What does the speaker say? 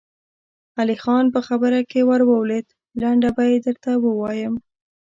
علی خان په خبره کې ور ولوېد: لنډه به يې درته ووايم.